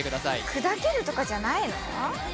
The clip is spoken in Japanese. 「砕ける」とかじゃないの？